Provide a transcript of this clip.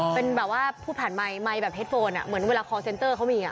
เป็นแบบว่าผู้ผ่านไมค์ไมค์แบบเฮดโฟนเหมือนเวลาคอร์เซ็นเตอร์เขามี